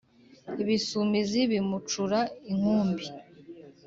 Ibisumizi bimucura inkumbi